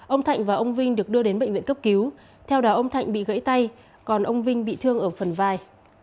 ông thạnh và ông vinh được đưa đến bệnh viện cấp cứu theo đó ông thạnh bị gãy tay còn ông vinh bị thương ở phần vai